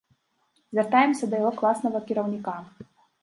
Звяртаемся да яго класнага кіраўніка.